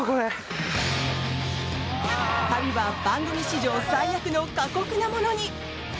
旅は番組史上最悪の過酷なものに。